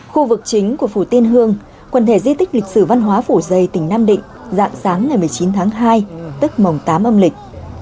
khu vực chính của phủ tiên hương quần thể di tích lịch sử văn hóa phủ dây tỉnh nam định dạng sáng ngày một mươi chín tháng hai tức mồng tám âm lịch